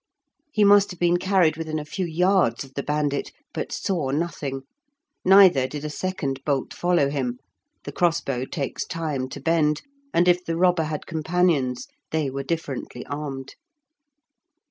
He must have been carried within a few yards of the bandit, but saw nothing, neither did a second bolt follow him; the crossbow takes time to bend, and if the robber had companions they were differently armed.